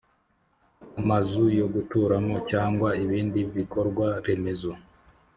amazu yo guturamo cyangwa ibindi bikorwa remezo,